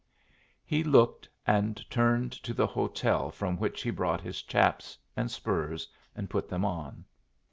He looked, and turned to the hotel, from which he brought his chaps and spurs and put them on.